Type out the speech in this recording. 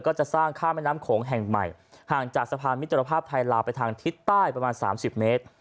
ก็จะสร้างข้ามแม่น้ำโขงแห่งใหม่ห่างจากสะพานมิตรภาพไทยลาวไปทางทิศใต้ประมาณ๓๐เมตร